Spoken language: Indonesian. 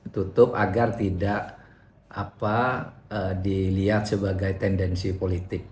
tutup agar tidak dilihat sebagai tendensi politik